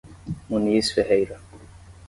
Muniz Ferreira